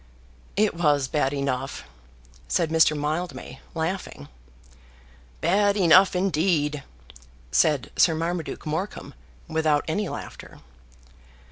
"It was bad enough," said Mr. Mildmay, laughing. "Bad enough indeed," said Sir Marmaduke Morecombe, without any laughter.